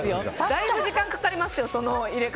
だいぶ時間かかりますよ。